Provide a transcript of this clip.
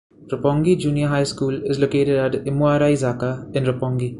Roppongi Junior High School is located at Imoarai-Zaka, in Roppongi.